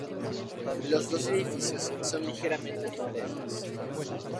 Los dos edificios son ligeramente diferentes.